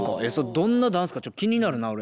どんなダンスかちょっと気になるな俺。